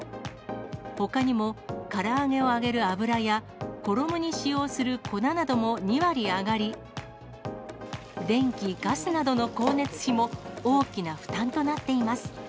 ほかにも、から揚げを揚げる油や、衣に使用する粉なども２割上がり、電気、ガスなどの光熱費も大きな負担となっています。